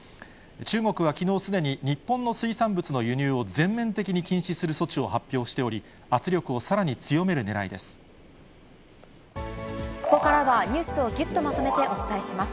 中国はきのうすでに、日本の水産物の輸入を全面的に禁止する措置を発表しており、ここからはニュースをぎゅっとまとめてお伝えします。